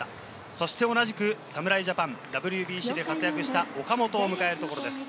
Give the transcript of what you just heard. そして同じく侍ジャパン、ＷＢＣで活躍した岡本を迎えるところです。